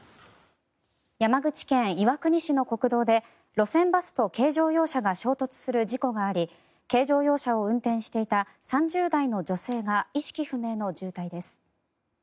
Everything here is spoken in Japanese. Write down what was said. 山口県岩国市の国道で路線バスと軽乗用車が衝突する事故があり軽乗用車を運転していた３０代の女性が意識不明の重体です。